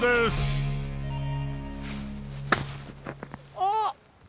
あっ！